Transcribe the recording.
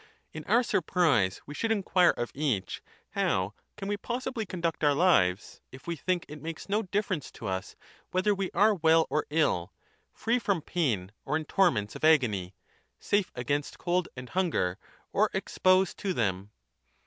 In our surprise we should inquire of each, how can we possibly conduct our lives if we think it makes no difference to us whether we are well or ill, free from pain or in torments of agony, safe against cold and hunger or exposed to them.